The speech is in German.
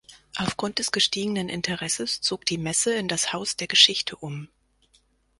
Aufgrund des gestiegenen Interesses zog die Messe in das Haus der Geschichte um.